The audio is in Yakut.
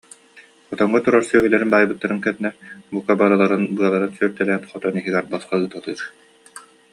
Хотоҥҥо турар сүөһүлэрин баайбыттарын кэннэ, бука барыларын быаларын сүөртэлээн хотон иһигэр босхо ыыталыыр